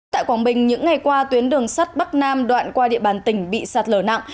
tại quảng bình những ngày qua tuyến đường sắt bắc nam đoạn qua địa bàn tỉnh bị sạt lở nặng